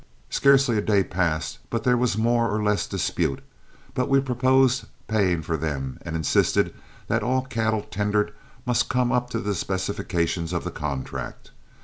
Scarcely a day passed but there was more or less dispute; but we proposed paying for them, and insisted that all cattle tendered must come up to the specifications of the contract.